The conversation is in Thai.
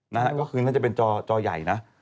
นะฮะก็คือน่าจะเป็นจอจอใหญ่นะ